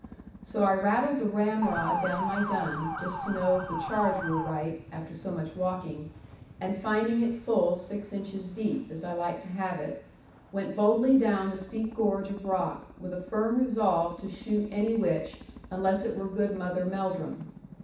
So I rattled the ramrod down my gun, just to know if the charge were right, after so much walking; and finding it full six inches deep, as I like to have it, went boldly down the steep gorge of rock, with a firm resolve to shoot any witch unless it were good Mother Melldrum.